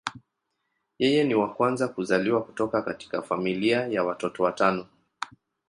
Yeye ni wa kwanza kuzaliwa kutoka katika familia ya watoto watano.